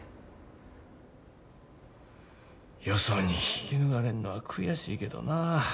よそに引き抜かれんのは悔しいけどな。